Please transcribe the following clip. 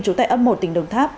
trú tại ấp một tỉnh đồng tháp